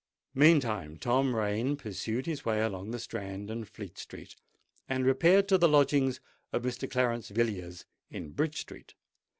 Meantime Tom Rain pursued his way along the Strand and Fleet Street, and repaired to the lodgings of Mr. Clarence Villiers in Bridge Street.